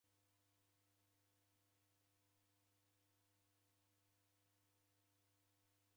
Nalomba munidwaye wana wapo